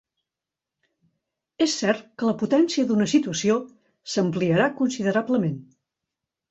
És cert que la potència d'una situació s'ampliarà considerablement